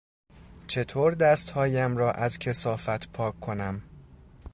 چطور دستهایم را از کثافت پاک کنم؟